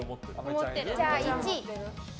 じゃあ１位。